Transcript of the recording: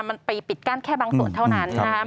มันไปปิดกั้นแค่บางส่วนเท่านั้นนะครับ